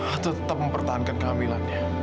atau tetap mempertahankan kehamilannya